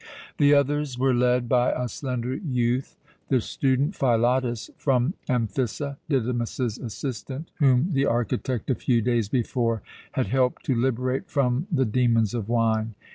The others were led by a slender youth, the student Philotas, from Amphissa, Didymus's assistant, whom the architect, a few days before, had helped to liberate from the demons of wine.